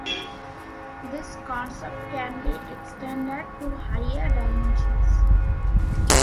This concept can be extended to higher dimensions.